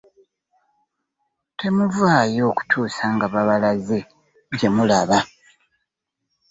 Temuvaawo okutuusa nga babalaze gye mulaba.